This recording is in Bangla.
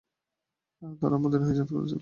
আর তা মদীনায় হিজরত করার পূর্বে ঘটেছিল।